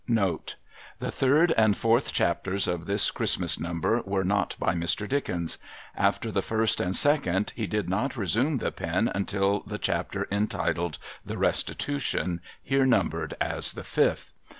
Note. — The third and fourth chapters of this Christmas number were not by Mr. Dickens. After the first and second he did not resume the pen until the chapter entitled the 'Restitution,' here numbered as the fifth.'